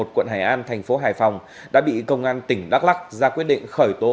quận hải an thành phố hải phòng đã bị công an tỉnh đắk lắc ra quyết định khởi tố